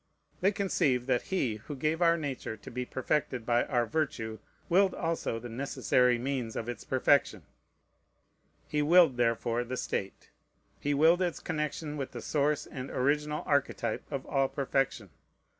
They conceive that He who gave our nature to be perfected by our virtue willed also the necessary means of its perfection: He willed, therefore, the state: He willed its connection with the source and original archetype of all perfection.